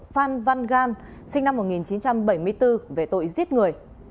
phạm thanh trung sinh năm một nghìn chín trăm bảy mươi bốn về tội giết người